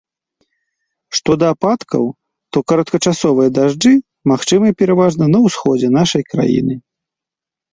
Што да ападкаў, то кароткачасовыя дажджы магчымыя пераважна на ўсходзе нашай краіны.